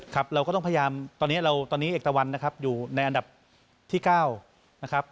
ครับเราก็ต้องพยายามตอนนี้เอกตะวันอยู่ในอันดับที่๙นะครับ